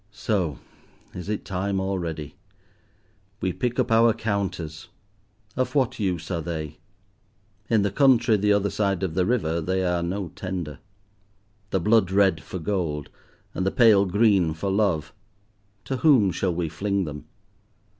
So! is it time already? We pick up our counters. Of what use are they? In the country the other side of the river they are no tender. The blood red for gold, and the pale green for love, to whom shall we fling them?